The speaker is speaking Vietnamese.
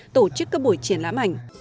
tổ chức các buổi triển lãm ảnh